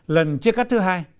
lần chia cắt thứ hai